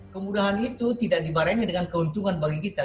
kemudahan itu tidak dibarengi dengan keuntungan bagi kita